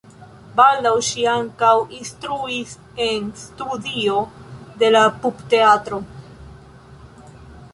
Baldaŭ ŝi ankaŭ instruis en studio de la Pupteatro.